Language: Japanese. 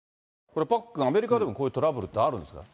これ、パックン、アメリカでもこういうトラブルってあるんですか。